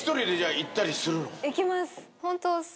行きます。